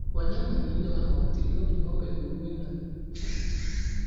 Wanyama wengine wanaoathiriwa ni ngombe nguruwena farasi